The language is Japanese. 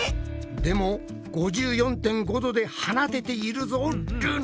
でも５４．５度で放てているぞルナ。